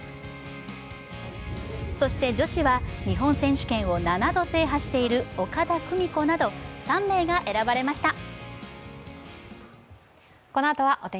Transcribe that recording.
そして女子は日本選手権を７度制覇している岡田久美子など３名が選ばれました。